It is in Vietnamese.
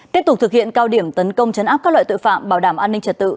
tiếp tục thực hiện cao điểm tấn công chấn áp các loại tội phạm bảo đảm an ninh trật tự